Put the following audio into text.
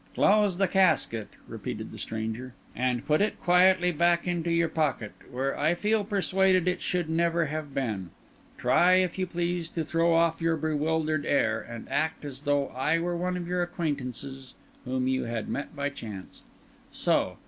"Close the casket," repeated the stranger, "and put it quietly back into your pocket, where I feel persuaded it should never have been. Try, if you please, to throw off your bewildered air, and act as though I were one of your acquaintances whom you had met by chance. So!